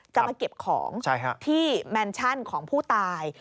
จะมาเก็บของที่แมนชั่นของผู้ตาย